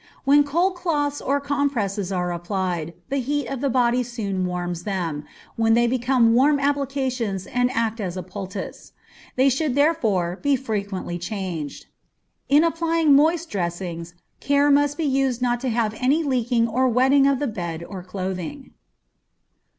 When cold cloths or compresses are applied, the heat of the body soon warms them, when they become warm applications and act as a poultice; they should therefore be frequently changed. In applying moist dressings care must be used not to have any leaking nor wetting of the bed or clothing.